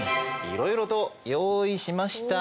いろいろと用意しました。